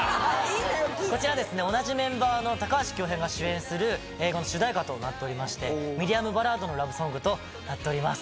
こちらは同じメンバーの高橋恭平が主演する映画の主題歌となっておりましてミディアムバラードのラブソングとなっております。